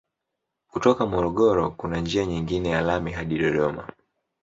Kutoka Morogoro kuna njia nyingine ya lami hadi Dodoma.